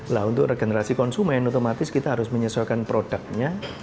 nah untuk generasi konsumen otomatis kita harus menyesuaikan produknya